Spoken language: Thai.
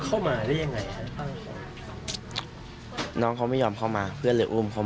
เข้ามาได้ยังไงฮะน้องเขาไม่ยอมเข้ามาเพื่อนเลยอุ้มเขา